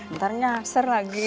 ntar nyaser lagi